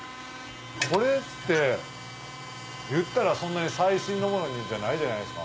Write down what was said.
これって言ったらそんなに最新のものじゃないじゃないですか。